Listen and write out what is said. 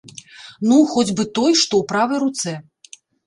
Ну, хоць бы той, што ў правай руцэ.